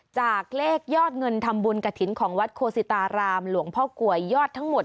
จากเลขยอดเงินทำบุญกระถิ่นของวัดโคสิตารามหลวงพ่อกลวยยอดทั้งหมด